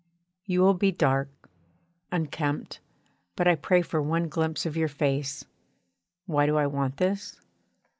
You will be dark, unkempt, but I pray for one glimpse of your face why do I want this?